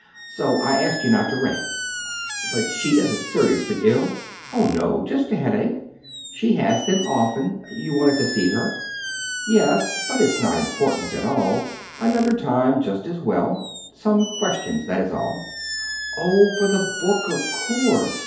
So I asked you not to ring." "But she isn't seriously ill?" "Oh, no, just a headache. She has them often. You wanted to see her?" "Yes. But it's not important at all. Another time, just as well. Some questions—that is all." "Oh, for the book, of course.